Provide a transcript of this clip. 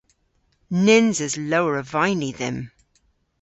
Nyns eus lowr a vayni dhymm.